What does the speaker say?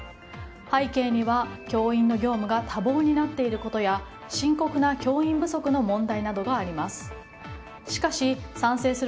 背景には教員の業務が多忙になっていることや深刻な教員不足の問題などがあります。